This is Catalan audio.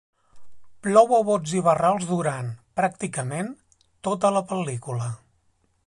Plou a bots i barrals durant, pràcticament, tota la pel·lícula.